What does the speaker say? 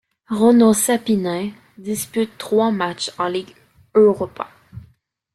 Rauno Sappinen dispute trois matchs en Ligue Europa.